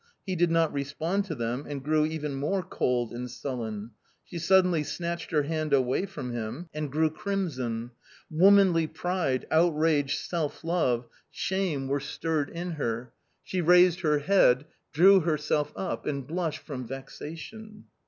He did not respond to them, and grew even more cold and sullen. She suddenly snatched her hand away from him and grew crimson. Womanly pride, outraged self love, shame were stirred in A COMMON STORY 191 her. She raised her head, drew herself up, and blushed from vexation.